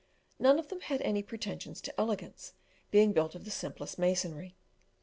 None of them had any pretensions to elegance, being built of the simplest masonry.